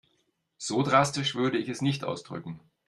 So drastisch würde ich es nicht ausdrücken.